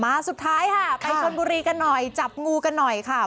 สุดท้ายค่ะไปชนบุรีกันหน่อยจับงูกันหน่อยค่ะ